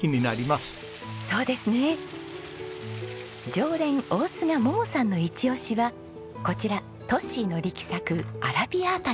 常連大須賀桃さんのイチオシはこちらトッシーの力作アラビアータです。